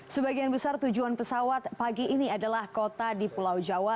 sebagian besar tujuan pesawat pagi ini adalah kota di pulau jawa